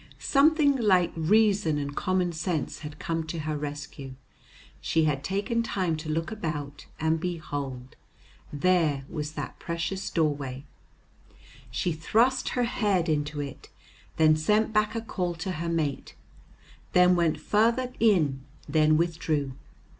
Something like reason and common sense had come to her rescue; she had taken time to look about, and behold! there was that precious doorway. She thrust her head into it, then sent back a call to her mate, then went farther in, then withdrew.